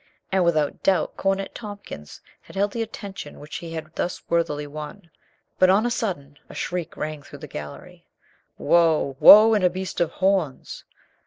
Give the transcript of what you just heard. And without doubt Cornet Tompkins had held the attention which he had thus worthily won, but on a sudden a shriek rang through the gallery. "Woe! Woe and a beast of horns!"